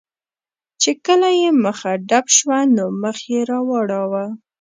چې کله یې مخه ډب شوه، نو مخ یې را واړاوه.